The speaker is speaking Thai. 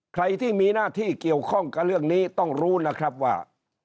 ใครที่มีหน้าที่เกี่ยวข้องกับเรื่องนี้ต้องรู้นะครับว่า